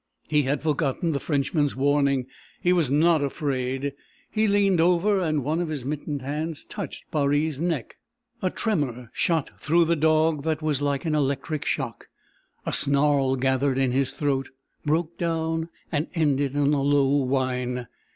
He had forgotten the Frenchman's warning. He was not afraid. He leaned over and one of his mittened hands touched Baree's neck. A tremor shot through the dog that was like an electric shock; a snarl gathered in his throat, broke down, and ended in a low whine.